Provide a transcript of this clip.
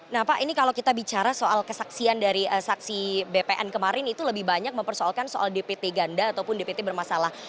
nah pak ini kalau kita bicara soal kesaksian dari saksi bpn kemarin itu lebih banyak mempersoalkan soal dpt ganda ataupun dpt bermasalah